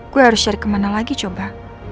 gue harus cari kemana lagi coba